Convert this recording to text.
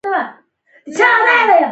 له امان الملک څخه اووه لس زامن پاتې شول.